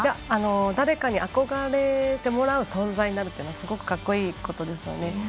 誰かに憧れてもらう存在になるというのはすごく格好いいことですよね。